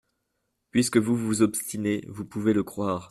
Puisque vous vous obstinez, vous pouvez le croire…